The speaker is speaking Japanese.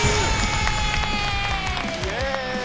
イエーイ！